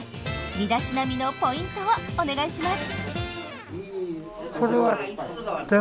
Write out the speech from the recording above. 身だしなみのポイントをお願いします。